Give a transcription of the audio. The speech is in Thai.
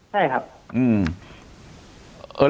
ใช่ครับ